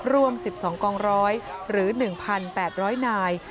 รวม๑๒กองร้อยหรือ๑๘๐๐นาย